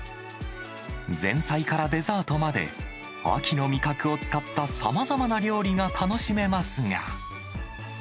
前菜からデザートまで、秋の味覚を使ったさまざまな料理が楽しめますが。